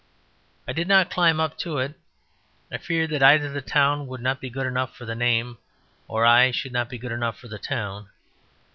I did not climb up to it; I feared that either the town would not be good enough for the name, or I should not be good enough for the town.